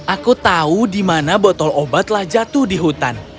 aku tahu di mana botol obat telah jatuh di hutan